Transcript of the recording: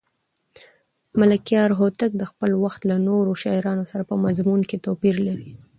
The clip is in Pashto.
ملکیار هوتک د خپل وخت له نورو شاعرانو سره په مضمون کې توپیر لري.